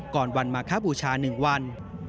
ก่อนวันมาคบูชา๑วัน